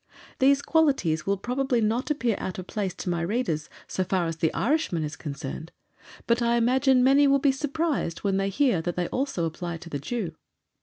These qualities will probably not appear out of place to my readers so far as the Irishman is concerned, but I imagine many will be surprised when they hear that they also apply to the Jew.